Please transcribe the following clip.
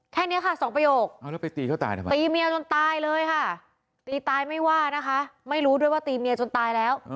แค่นี้ค่ะสองประโยคเอาแล้วไปตีเขาตายทำไมตีเมียจนตายเลยค่ะตีตายไม่ว่านะคะไม่รู้ด้วยว่าตีเมียจนตายแล้ว